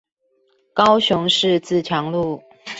高雄市自強路